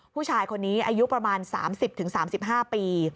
ผู้ชายคนนี้อายุประมาณ๓๐๓๕ปี